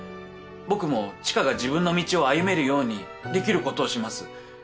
僕も知花が自分の道を歩めるようにできることをします。